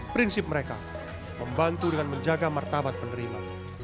prinsip mereka membantu dengan menjaga martabat penerima